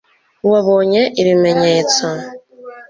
wabonye ibimenyetso